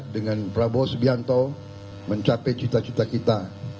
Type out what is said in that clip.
dengan prabowo subianto mencapai cita cita kita